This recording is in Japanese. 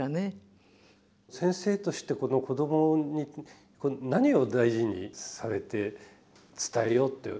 先生としてこの子どもに何を大事にされて伝えようっていう。